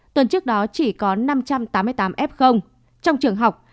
tuần trước đó chỉ có năm trăm tám mươi tám f trong trường học